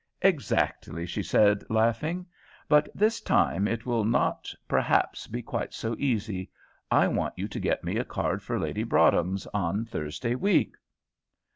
"Exactly," she said, laughing; "but this time it will not perhaps be quite so easy. I want you to get me a card for Lady Broadhem's on Thursday week."